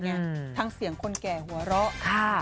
ทั้งเสียงคนแก่หัวเราะ